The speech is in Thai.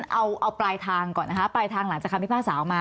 เอาปลายทางก่อนนะคะปลายทางหลังจากคำพิพากษาออกมา